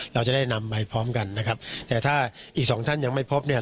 เราจะได้นำไปพร้อมกันนะครับแต่ถ้าอีกสองท่านยังไม่พบเนี่ย